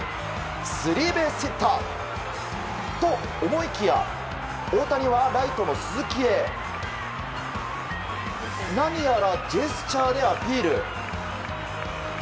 スリーベースヒット！と思いきや大谷はライトの鈴木へ何やらジェスチャーでアピール。